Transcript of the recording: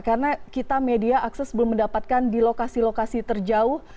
karena kita media akses belum mendapatkan di lokasi lokasi terjauh